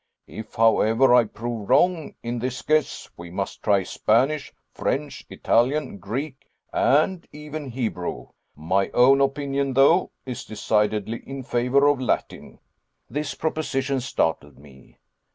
If, however, I prove wrong in this guess, we must try Spanish, French, Italian, Greek, and even Hebrew. My own opinion, though, is decidedly in favor of Latin." This proposition startled me.